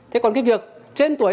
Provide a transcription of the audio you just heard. thế còn cái việc trên tuổi